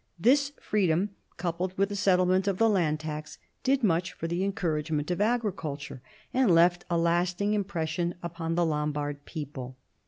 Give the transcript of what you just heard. This free dom, coupled with the settlement of the land tax, did much for the encouragement of agriculture, and left a lasting impression upon the Lombard people.